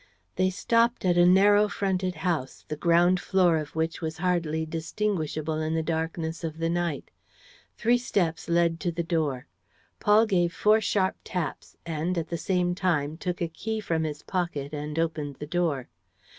They stopped at a narrow fronted house, the ground floor of which was hardly distinguishable in the darkness of the night. Three steps led to the door. Paul gave four sharp taps and, at the same time, took a key from his pocket and opened the door.